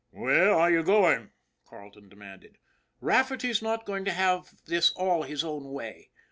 "Where are you going?" Carleton demanded. " Rafferty's not going to have this all his own way.